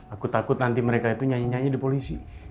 aku takut nanti mereka itu nyanyi nyanyi di polisi